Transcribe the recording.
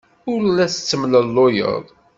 Ur la tettemlelluyeḍ.